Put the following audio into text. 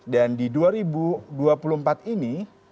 dan di dua ribu dua puluh empat ini